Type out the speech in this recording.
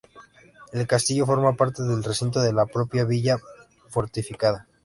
El castillo forma parte del recinto de la propia villa fortificada.